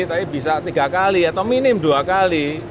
tapi bisa tiga kali atau minim dua kali